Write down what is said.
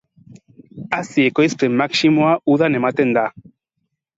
Hazi ekoizpen maximoa udan ematen da.